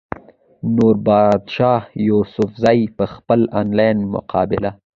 نوربادشاه يوسفزۍ پۀ خپله انلاين مقاله